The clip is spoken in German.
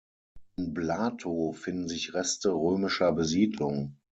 In Blato finden sich Reste römischer Besiedlung.